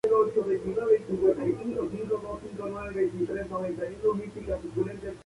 Tuvo graves problemas de reumatismo, si bien un cáncer acabaría con su vida.